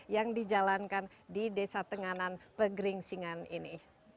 yang dijalankan di desa tenganan pegeringsingan ini